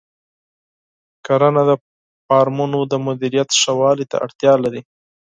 کرنه د فارمونو د مدیریت ښه والي ته اړتیا لري.